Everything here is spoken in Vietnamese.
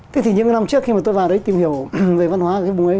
thế thì những cái năm trước khi mà tôi vào đấy tìm hiểu về văn hóa ở cái vùng ấy